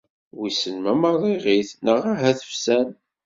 Wissen ma merriɣit neɣ ahat fsan?